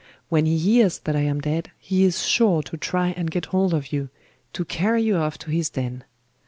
When he hears that I am dead, he is sure to try and get hold of you, to carry you off to his den.